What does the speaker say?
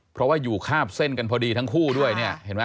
เพราะว่าอยู่คาบเส้นกันพอดีทั้งคู่ด้วยเนี่ยเห็นไหม